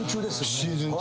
シーズン中。